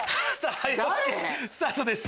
早押しスタートです。